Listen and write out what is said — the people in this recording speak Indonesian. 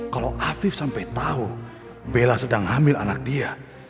kalau afif sampai tahu bella sedang hamil anak dia